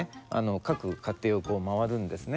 各家庭を回るんですね。